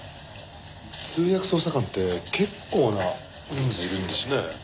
通訳捜査官って結構な人数いるんですね。